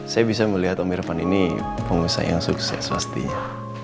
saya bisa melihat om irvan ini pengusaha yang sukses pastinya